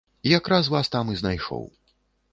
Якраз вас там і знайшоў.